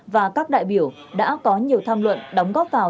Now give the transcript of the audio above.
và các đại biểu đã có nhiều tham luận đóng góp vào